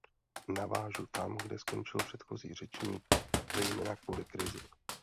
Navážu tam, kde skončil předchozí řečník, zejména kvůli krizi.